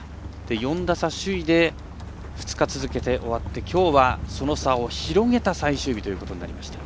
４打差首位で２日続けて終わってきょうはその差を広げた最終日ということになりました。